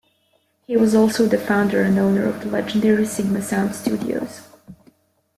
He was also the founder and owner of the legendary Sigma Sound Studios.